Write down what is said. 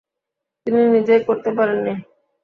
তিনি নিজেই করতে পারেননি।